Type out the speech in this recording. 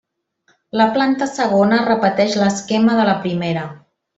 La planta segona repeteix l'esquema de la primera.